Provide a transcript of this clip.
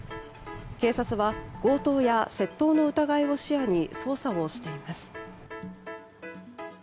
警察は強盗や窃盗の疑いを視野に捜査をしています。